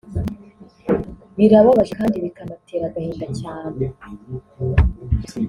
Birababaje kandi bikanatera agahinda cyane